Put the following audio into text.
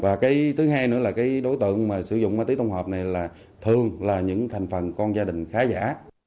và cái thứ hai nữa là cái đối tượng mà sử dụng ma túy tổng hợp này là thường là những thành phần con gia đình khá giả